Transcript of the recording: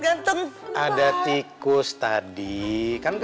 namanya dreaming trabajs